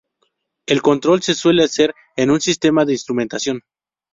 El control se suele hacer en un sistema de instrumentación.